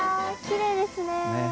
きれいですね。